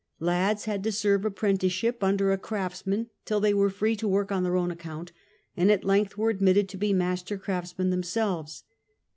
Lads had to serve apprenticeship under a craftsmaii till they were free to work on their own account, and at length were admitted to be master craftsmen themselves.